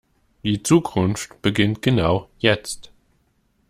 Die Zukunft beginnt genau jetzt.